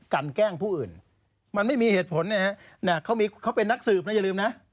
กันแกล้งผู้อื่นมันไม่มีเหตุผลนะฮะเขาเป็นนักสืบนะอย่าลืมนะ